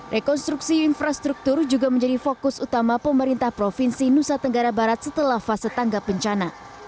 rekonstruksi infrastruktur juga menjadi fokus utama pemerintah provinsi nusa tenggara barat setelah fase tangga bencana